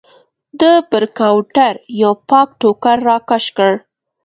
ده پر کاونټر یو پاک ټوکر راکش کړ.